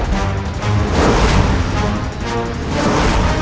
kami permisi kudus prabu